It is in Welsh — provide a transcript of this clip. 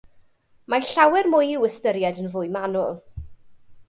Mae llawer mwy i'w ystyried yn fwy manwl.